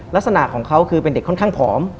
ลักษณะของเขาคือเป็นเด็กค่อนข้างผอม